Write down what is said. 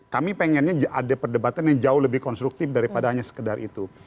kami pengennya ada perdebatan yang jauh lebih konstruktif daripada hanya sekedar itu